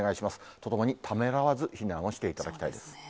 とともにためらわず避難をしていただきたいです。